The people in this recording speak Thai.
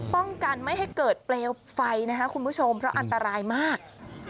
ป้องกันไม่ให้เกิดเปลวไฟนะคะคุณผู้ชมเพราะอันตรายมาก